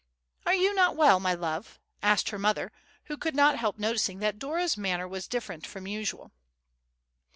"Are you not well, my love?" asked her mother, who could not help noticing that Dora's manner was different from usual.